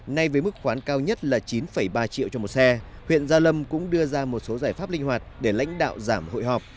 nay với mức khoán cao nhất là chín ba triệu cho một xe huyện gia lâm cũng đưa ra một số giải pháp linh hoạt để lãnh đạo giảm hội họp